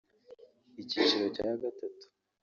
Icyiciro cya Gatatu